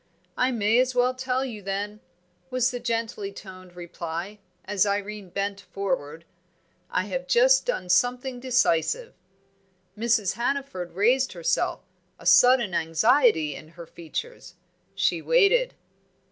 "I may as well tell you them," was the gently toned reply, as Irene bent forward. "I have just done something decisive." Mrs. Hannaford raised herself, a sudden anxiety in her features; she waited.